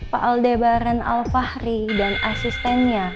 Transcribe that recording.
pak aldebaren alfahri dan asistennya